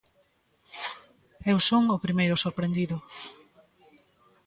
Eu son o primeiro sorprendido.